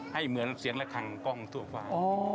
เหมือนเสียงระคังกล้องทั่วฟ้า